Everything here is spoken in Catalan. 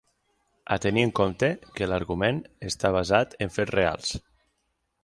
A tenir en compte que l'argument està basat en fets reals.